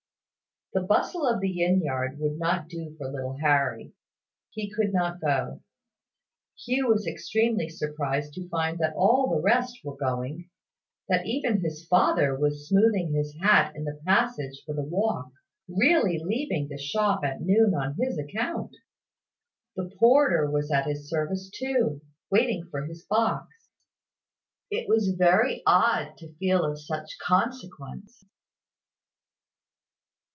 The bustle of the inn yard would not do for little Harry. He could not go. Hugh was extremely surprised to find that all the rest were going; that even his father was smoothing his hat in the passage for the walk, really leaving the shop at noon on his account! The porter was at his service too, waiting for his box! It was very odd to feel of such consequence.